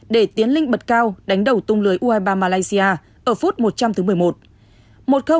để tiến linh bật cao đánh đầu tung lưới u hai mươi ba malaysia ở phút một trăm linh thứ một mươi một